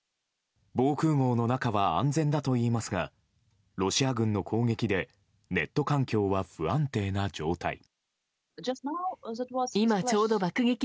防空壕の中は安全だといいますがロシア軍の攻撃でネット環境は不安定な状態。